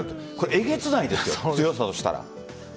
えげつないですよね強さとしたら。